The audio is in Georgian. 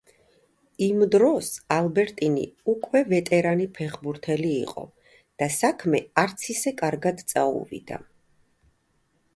იმ დროს ალბერტინი უკვე ვეტერანი ფეხბურთელი იყო და საქმე არც ისე კარგად წაუვიდა.